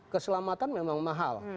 keselamatan memang mahal